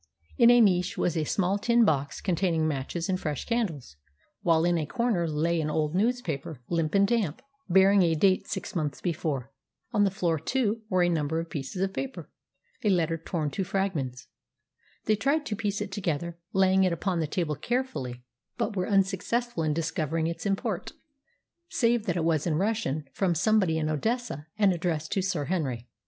In a niche was a small tin box containing matches and fresh candles, while in a corner lay an old newspaper, limp and damp, bearing a date six months before. On the floor, too, were a number of pieces of paper a letter torn to fragments. They tried to piece it together, laying it upon the table carefully, but were unsuccessful in discovering its import, save that it was in Russian, from somebody in Odessa, and addressed to Sir Henry.